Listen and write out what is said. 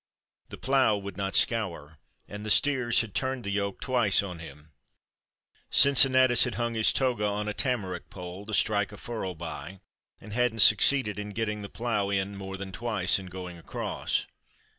The plough would not scour, and the steers had turned the yoke twice on him. Cincinnatus had hung his toga on a tamarac pole to strike a furrow by, and hadn't succeeded in getting the plough in more than twice in going across.